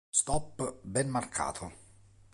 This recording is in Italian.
Stop ben marcato.